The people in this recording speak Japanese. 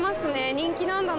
人気なんだな。